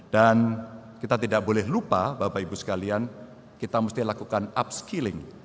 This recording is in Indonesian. dan kita tidak boleh lupa bapak ibu sekalian kita harus melakukan upskilling